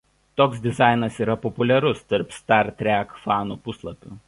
Toks dizainas yra populiarus tarp Star Trek fanų puslapių.